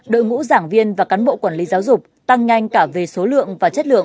đội ngũ giảng viên và cán bộ quản lý giáo dục tăng nhanh cả về số lượng và chất lượng